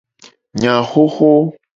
Enya xoxo.